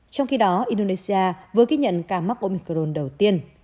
trong khi đó indonesia vừa ghi nhận ca mắc omicron đầu tiên